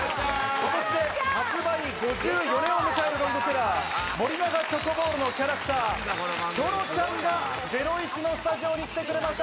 今年で発売５４年を迎えるロングセラー、森永チョコボールのキャラクター・キョロちゃんが『ゼロイチ』のスタジオに来てくれました。